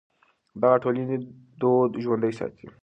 دغه ټولنې دود ژوندی ساتي.